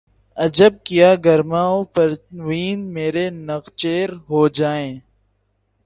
عجب کیا گر مہ و پرویں مرے نخچیر ہو جائیں